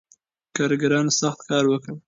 کارګرانو سخت کار وکړ.